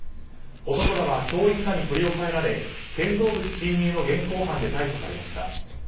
男らは教員らに取り押さえられ建造物侵入の現行犯で逮捕されました。